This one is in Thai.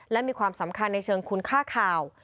และมีความสำคัญในเชิงคุณค่าข่าว